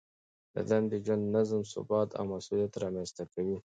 دندې د ژوند نظم، ثبات او مسؤلیت رامنځته کوي.